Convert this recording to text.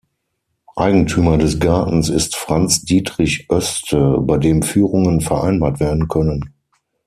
Eigentümer des Gartens ist "Franz Dietrich Oeste", bei dem Führungen vereinbart werden können.